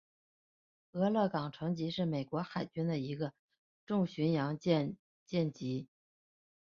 俄勒冈城级是美国海军的一个重巡洋舰舰级。